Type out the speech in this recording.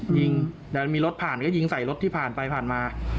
ยิงแต่มันมีรถผ่านก็ยิงใส่รถที่ผ่านไปผ่านมา